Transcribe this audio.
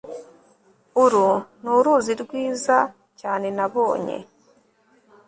uru ni uruzi rwiza cyane nabonye